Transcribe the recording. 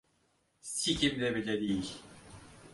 Sikimde bile değil.